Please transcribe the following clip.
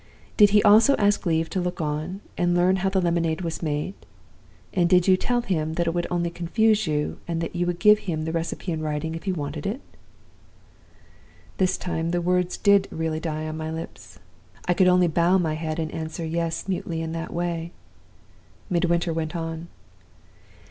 Did he also ask leave to look on, and learn how the lemonade was made? and did you tell him that he would only confuse you, and that you would give him the recipe in writing, if he wanted it?' "This time the words did really die on my lips. I could only bow my head, and answer 'Yes' mutely in that way. Midwinter went on.